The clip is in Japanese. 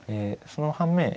その反面